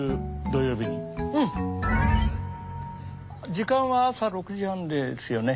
時間は朝６時半ですよね？